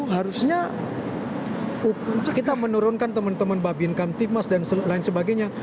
harusnya kita menurunkan teman teman babin kamtipmas dan lain sebagainya